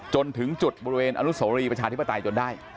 จนถึงจุดบริเวณอนุโสรีประชาธิปไตยจนได้